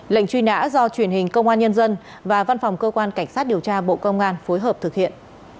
lệnh truy nã do truyền hình công an nhân dân và văn phòng cơ quan cảnh sát điều tra bộ công an phối hợp thực hiện